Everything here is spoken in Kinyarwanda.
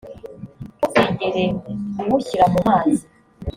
ntuzigere uwushyira mu mazi